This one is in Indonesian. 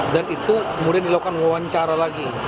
dan itu kemudian dilakukan wawancara lagi